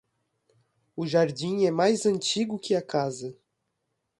O jardim é mais antigo que a casa.